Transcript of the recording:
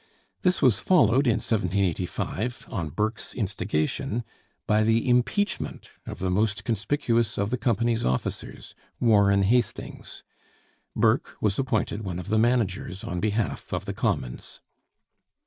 This was followed in 1785, on Burke's instigation, by the impeachment of the most conspicuous of the Company's officers, Warren Hastings. Burke was appointed one of the managers on behalf of the Commons.